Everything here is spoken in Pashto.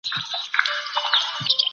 هغه پروسه چي ذکر سوه، ډېر وخت نيسي.